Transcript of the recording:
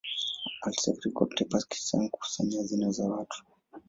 Alisafiri kote Pakistan kukusanya hazina za watu.